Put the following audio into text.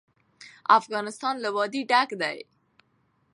افغانستان له وادي ډک دی.